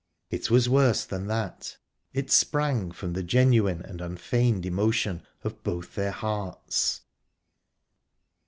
It was worse than that. It sprang from the genuine and unfeigned emotion of both their hearts...